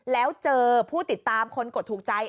แล้วเจอผู้ติดตามคนกดถูกใจ